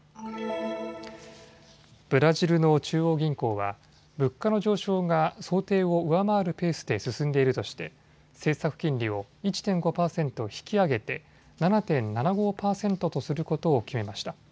ブラジルの中央銀行は物価の上昇が想定を上回るペースで進んでいるとして政策金利を１．５％引き上げて７．７５％とすることを決めました。